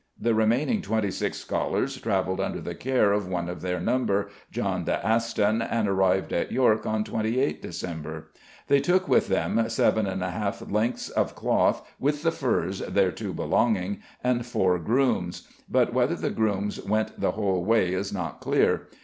The remaining twenty six scholars travelled under the care of one of their number, John de Aston, and arrived at York on 28 December. They took with them seven and a half lengths of cloth with the furs thereto belonging, and four grooms, but whether the grooms went the whole way is not clear.